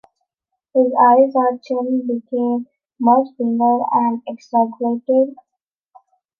His eyes and chin became much bigger and exaggerated.